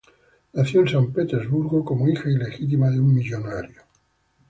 Nació en San Petersburgo, como hija ilegítima de un millonario.